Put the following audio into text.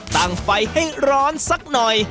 ตั้งไฟให้ร้อนสักหน่อย